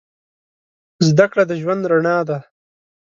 زده کړه د ژوند رڼا ده.